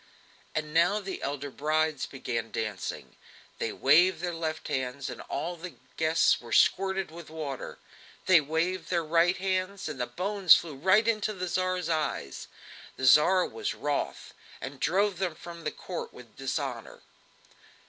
And now the elder brides began dancing. They waved their left hands and all the guests were squirted with water; they waved their right hands and the bones flew right into the Tsar's eyes. The Tsar was wroth, and drove them from court with dishonour.